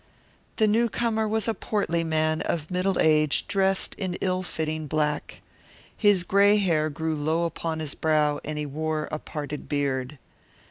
The newcomer was a portly man of middle age dressed in ill fitting black. His gray hair grew low upon his brow and he wore a parted beard.